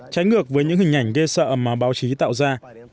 trái ngược với những hình ảnh ghê sợ mà báo chí đã đưa ra